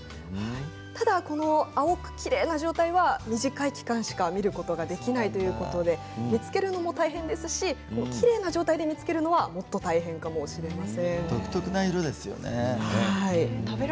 ただ青くきれいな状態は短い期間しか見ることができないということで見つけるのも大変ですしきれいな状態で見つけるのはもっと大変かもしれません。